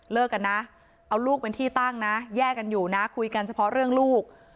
กันนะเอาลูกเป็นที่ตั้งนะแยกกันอยู่นะคุยกันเฉพาะเรื่องลูก